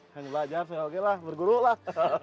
kan belajar selalunya lah berguru lah